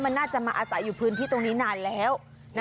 มันน่าจะมาอาศัยอยู่พื้นที่ตรงนี้นานแล้ว